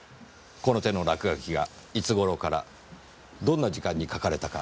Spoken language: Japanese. この手の落書きがいつ頃からどんな時間に描かれたか。